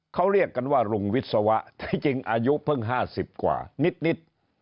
เขาเรียกกันว่าลุงวิศวะที่จริงอายุเพิ่ง๕๐กว่านิด